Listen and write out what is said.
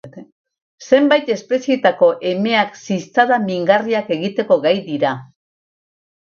Zenbait espezietako emeak ziztada mingarriak egiteko gai dira.